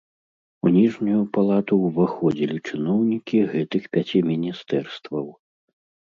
У ніжнюю палату ўваходзілі чыноўнікі гэтых пяці міністэрстваў.